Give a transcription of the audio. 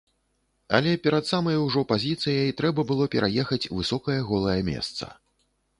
Але перад самай ужо пазіцыяй трэба было пераехаць высокае голае месца.